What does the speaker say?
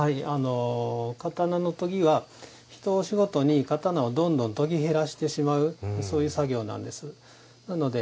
刀の研ぎは一押しごとに刀をどんどん研ぎ減らしてしまう作業なんです。